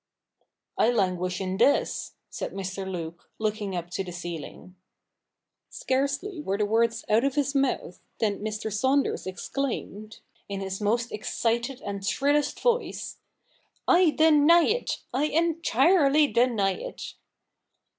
' I languish in this,' said Mr. Luke, looking up to the ceiling. Scarcely were the words out of his mouth than Mr. Saunders exclaimed, in his most excited and shrillest voice, ' I deny it — I entirely deny it